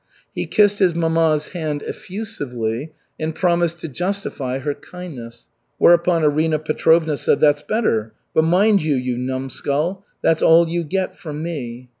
He kissed his mamma's hand effusively, and promised to justify her kindness, whereupon Arina Petrovna said: "That's better; but mind you, you numskull, that's all you get from me!"